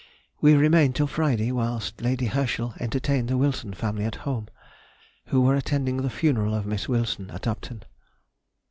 We remained till Friday, whilst Lady Herschel entertained the Wilson family at home, who were attending the funeral of Miss Wilson at Upton.